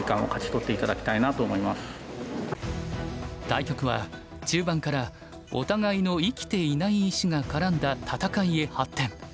対局は中盤からお互いの生きていない石が絡んだ戦いへ発展。